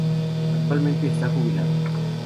Actualmente está jubilado.